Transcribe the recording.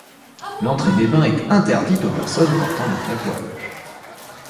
L'entrée des bains est interdite aux personnes portant des tatouages.